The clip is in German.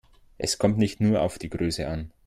Es kommt nicht nur auf die Größe an.